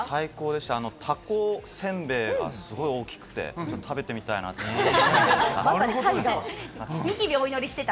たこせんべいがすごく大きくて、食べてみたいなと思いました。